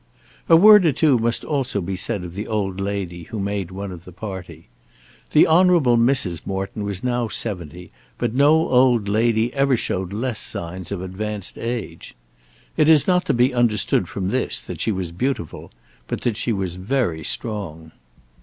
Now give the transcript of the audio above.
A word or two must also be said of the old lady who made one of the party. The Honourable Mrs. Morton was now seventy, but no old lady ever showed less signs of advanced age. It is not to be understood from this that she was beautiful; but that she was very strong.